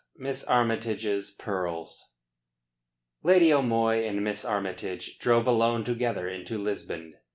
MISS ARMYTAGE'S PEARLS Lady O'Moy and Miss Armytage drove alone together into Lisbon.